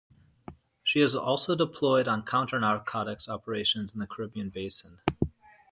She has also deployed on counter-narcotics operations in the Caribbean Basin.